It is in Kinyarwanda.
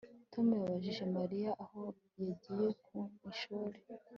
Tom yabajije Mariya aho yagiye ku ishuri